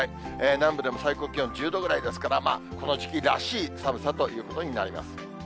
南部でも最高気温１０度ぐらいですから、この時期らしい寒さということになります。